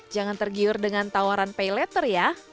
jangan tergiur dengan tawaran pay letter ya